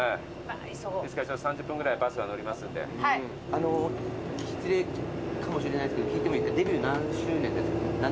あの失礼かもしれないですけど聞いても。